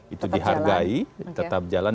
itu dihargai tetap jalan